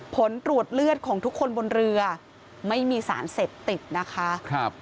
ผลตรวจเลือดของทุกคนบนเรือไม่มีสารเสพติดนะคะ